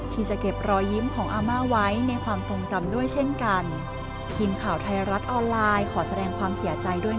โปรดติดตามตอนต่อไป